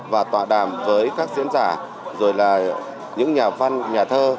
và tọa đàm với các diễn giả rồi là những nhà văn nhà thơ